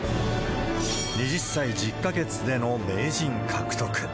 ２０歳１０か月での名人獲得。